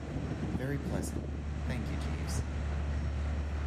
Very pleasant, thank you, Jeeves.